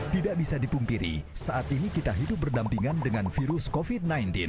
tidak bisa dipungkiri saat ini kita hidup berdampingan dengan virus covid sembilan belas